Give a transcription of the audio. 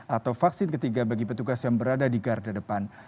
atau vaksin ketiga bagi petugas yang berada di garda depan